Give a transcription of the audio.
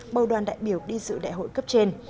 bầu đoàn đại biểu đi dự đại hội cấp trên